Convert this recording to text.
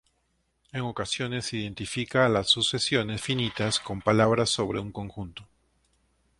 En ocasiones se identifica a las sucesiones finitas con palabras sobre un conjunto.